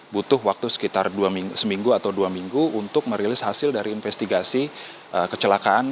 butuh waktu sekitar seminggu atau dua minggu untuk merilis hasil dari investigasi kecelakaan